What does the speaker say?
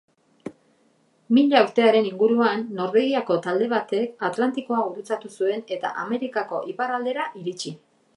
Mila urtearen inguruan, Norvegiako talde batek Atlantikoa gurutzatu zuen eta Amerikako iparraldera iritsi.